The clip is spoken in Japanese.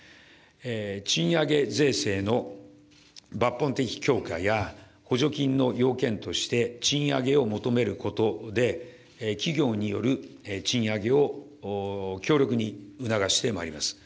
賃上げ税制の抜本的強化や、補助金の要件として賃上げを求めることで、企業による賃上げを強力に促してまいります。